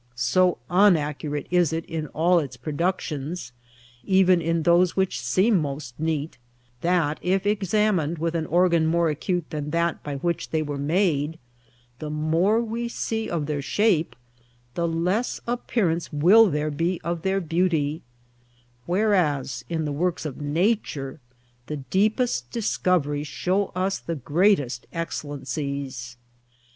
So unaccurate is it, in all its productions, even in those which seem most neat, that if examinŌĆÖd with an organ more acute then that by which they were made, the more we see of their shape, the less appearance will there be of their beauty: whereas in the works of Nature, the deepest Discoveries shew us the greatest Excellencies.